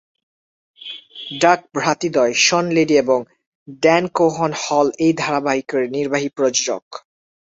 Duff ভ্রাতৃদ্বয়, Shawn Levy এবং Dan Cohen হল এই ধারাবাহিকের নির্বাহী প্রযোজক।